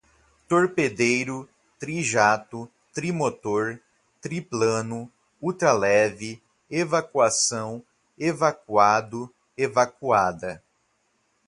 Torpedeiro, trijato, trimotor, triplano, ultraleve, evacuação, evacuado, evacuada